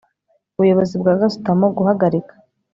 ubuyobozi bwa gasutamo guhagarika